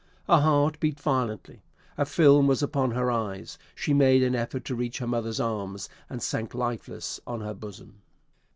Her heart beat violently a film was upon her eyes she made an effort to reach her mother's arms, and sank lifeless on her bosom!